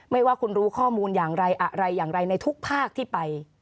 ว่าคุณรู้ข้อมูลอย่างไรอะไรอย่างไรในทุกภาคที่ไป